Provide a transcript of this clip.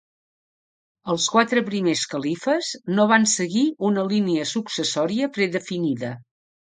Els quatre primers califes no van seguir una línia successòria predefinida.